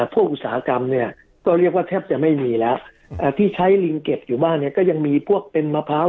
อุตสาหกรรมเนี่ยก็เรียกว่าแทบจะไม่มีแล้วที่ใช้ลิงเก็บอยู่บ้านเนี่ยก็ยังมีพวกเป็นมะพร้าว